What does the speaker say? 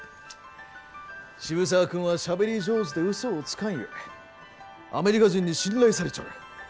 渋沢君はしゃべり上手でうそをつかんゆえアメリカ人に信頼されちょる。